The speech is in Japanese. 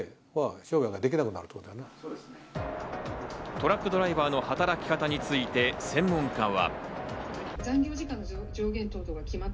トラックドライバーの働き方について専門家は。